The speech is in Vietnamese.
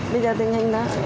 bây giờ tình hình đó